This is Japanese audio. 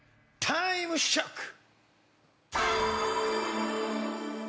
タイムショック！